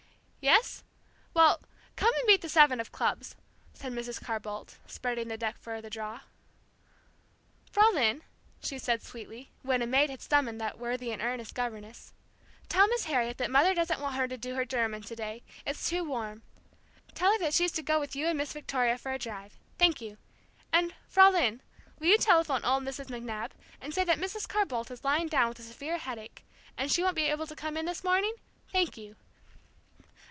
"Yes? Well, come and beat the seven of clubs," said Mrs. Carr Boldt, spreading the deck for the draw. "Fraulein," she said sweetly, a moment later, when a maid had summoned that worthy and earnest governess, "tell Miss Harriet that Mother doesn't want her to do her German to day, it's too warm. Tell her that she's to go with you and Miss Victoria for a drive. Thank you. And, Fraulein, will you telephone old Mrs. McNab, and say that Mrs. Carr Boldt is lying down with a severe headache, and she won't be able to come in this morning? Thank you.